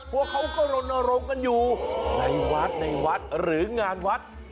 เพราะเค้าก็รนรมกันอยู่ในวัดหรืองานวัด